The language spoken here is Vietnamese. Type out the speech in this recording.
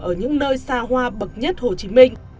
ở những nơi xa hoa bậc nhất hồ chí minh